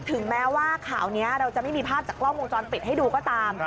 ถึงแม้ว่าข่าวนี้เราจะไม่มีภาพจากกล้องวงจรปิดให้ดูก็ตาม